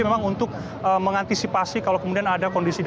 memang untuk mengantisipasi kalau kemudian ada konflik